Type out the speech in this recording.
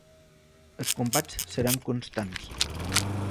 Els combats seran constants.